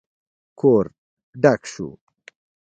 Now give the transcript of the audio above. کور ډک شو.